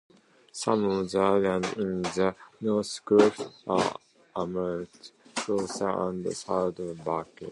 Some of the islands in the Northern group are Armit, Gloucester and Saddleback.